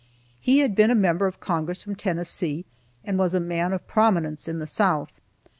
He had been a member of Congress from Tennessee, and was a man of prominence in the South.